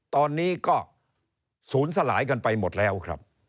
ตอนนี้ก็ศูนย์สลายกันไปหมดแล้วครับ